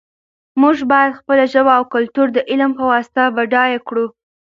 موږ باید خپله ژبه او کلتور د علم په واسطه بډایه کړو.